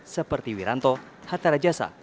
seperti wiranto hatta rajasa